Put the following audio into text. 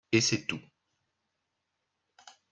Et c'est tout